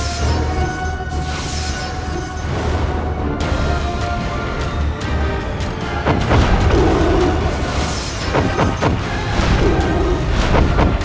jaga dewa batara